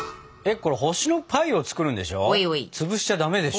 これ星のパイを作るんでしょ？